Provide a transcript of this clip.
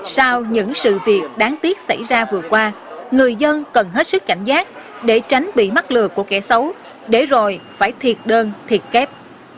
sau những sự việc đáng tiếc xảy ra vừa qua người dân cần hết sức cảnh giác để tránh bị mắc lừa của kẻ xấu để rồi phải thiệt đơn thiệt kép